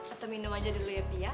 atau minum aja dulu ya bia